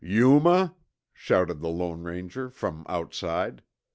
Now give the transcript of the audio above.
"Yuma!" shouted the Lone Ranger from outside.